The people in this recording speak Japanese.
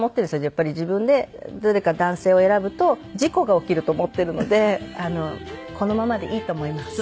やっぱり自分で誰か男性を選ぶと事故が起きると思っているのでこのままでいいと思います。